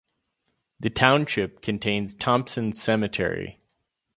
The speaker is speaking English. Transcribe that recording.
The township contains Thompson Cemetery.